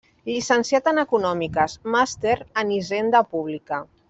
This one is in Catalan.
Llicenciat en Econòmiques, Màster en Hisenda Pública.